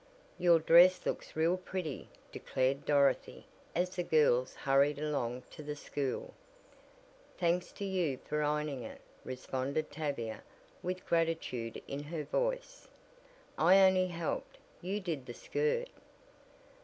"Your dress looks real pretty," declared Dorothy, as the girls hurried along to the school. "Thanks to you for ironing it," responded Tavia, with gratitude in her voice. "I only helped, you did the skirt."